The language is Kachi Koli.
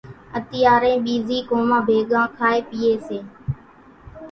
اتيارين ٻيزِي قومان ڀيڳان کائيَ پيئيَ سي۔